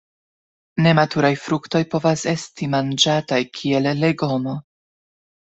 Nematuraj fruktoj povas esti manĝataj kiel legomo.